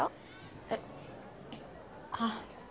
えっあぁ